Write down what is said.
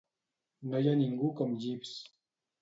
No hi ha ningú com Jeeves.